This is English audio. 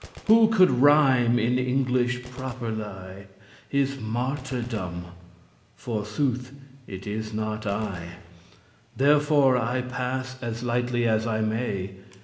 Who coulde rhyme in English properly His martyrdom? forsooth*, it is not I; *truly Therefore I pass as lightly as I may.